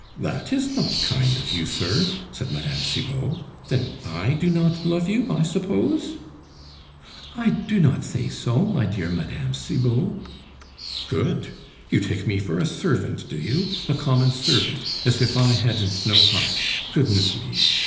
that is not kind of you, sir," said Mme. Cibot; "then I do not love you, I suppose?" "I do not say so, my dear Mme. Cibot." "Good. You take me for a servant, do you, a common servant, as if I hadn't no heart! Goodness me!